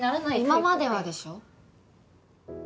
今まではでしょ？